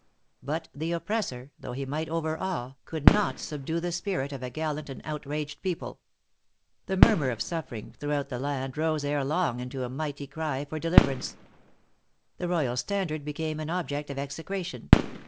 But the oppressor, though he might overawe, could not subdue the spirit of a gallant and outraged people. The murmur of suffering throughout the land rose ere long into a mighty cry for deliverance. The royal standard became an object of execration.